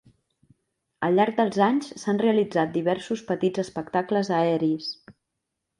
Al llarg dels anys s'han realitzat diversos petits espectacles aeris.